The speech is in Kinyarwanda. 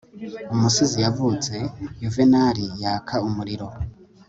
umusizi yavutse, yuvenali yaka umuriro